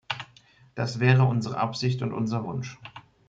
Das wären unsere Absicht und unser Wunsch.